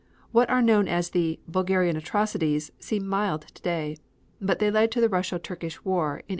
What are known as the "Bulgarian Atrocities" seem mild today, but they led to the Russo Turkish War in 1877.